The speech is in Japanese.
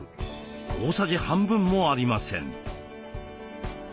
大さじ半分もありません。